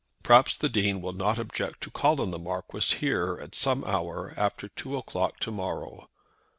Perhaps the Dean will not object to call on the Marquis here at some hour after two o'clock to morrow.